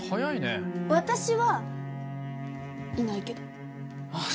私はいないけどあっ